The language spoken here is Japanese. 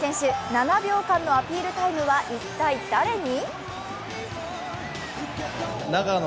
７秒間のアピールタイムは一体誰に？